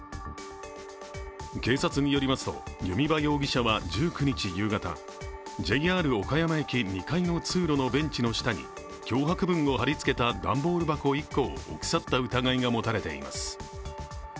警察によりますと弓場容疑者は１９日夕方、ＪＲ岡山駅２階の通路のベンチの下に、脅迫文を貼り付けた段ボール箱１個を置き去った疑いが持たれています。